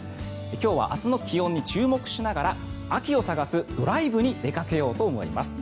今日は明日の気温に注目しながら秋を探すドライブに出かけようと思います。